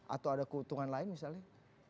atau ada keuntungan lain misalnya